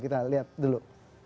kita lihat dulu